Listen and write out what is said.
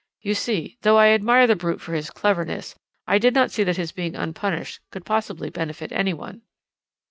You see, though I admire the brute for his cleverness, I did not see that his being unpunished could possibly benefit any one.